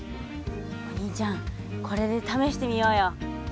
お兄ちゃんこれでためしてみようよ。